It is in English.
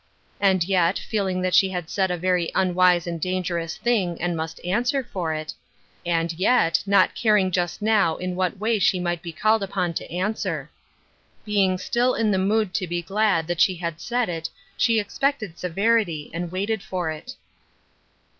And yet, feeling that she had said a very unwise and dangerous thing, and, must answer for it — and yet not car ing just now in what way she might be called upon to answer. Being still in the mood to be glad that she had said it she expected severity, and waited for it.